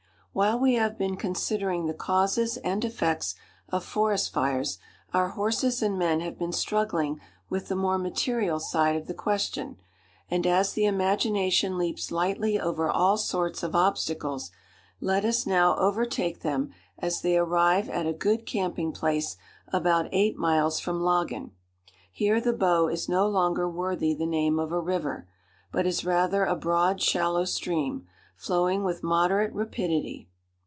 While we have been considering the causes and effects of forest fires, our horses and men have been struggling with the more material side of the question, and as the imagination leaps lightly over all sorts of obstacles, let us now overtake them as they arrive at a good camping place about eight miles from Laggan. Here the Bow is no longer worthy the name of a river, but is rather a broad, shallow stream, flowing with moderate rapidity.